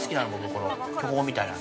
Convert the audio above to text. この巨峰みたいなの。